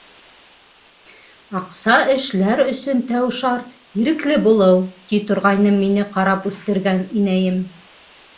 «Аҡса эшләр өсөн тәү шарт - ирекле булыу!» ти торғайны мине ҡарап үҫтергән инәйем.